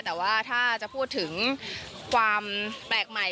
แต่ว่าถ้าจะพูดถึงความแปลกใหม่